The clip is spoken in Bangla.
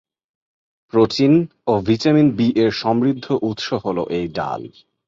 প্রোটিন ও ভিটামিন বি-এর সমৃদ্ধ উৎস হলো এই ডাল।